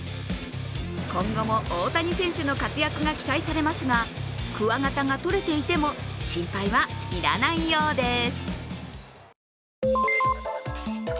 今後も大谷選手の活躍が期待されますがくわがたがとれていても心配はいらないようです。